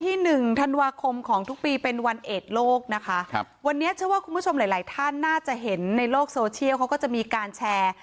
หนึ่งธันวาคมของทุกปีเป็นวันเอกโลกนะคะครับวันนี้เชื่อว่าคุณผู้ชมหลายหลายท่านน่าจะเห็นในโลกโซเชียลเขาก็จะมีการแชร์